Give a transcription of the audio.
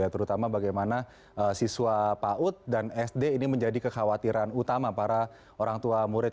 terutama bagaimana siswa paut dan sd ini menjadi kekhawatiran utama para orang tua murid